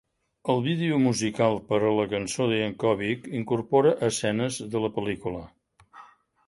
El vídeo musical per a la cançó de Yankovic incorpora escenes de la pel·lícula.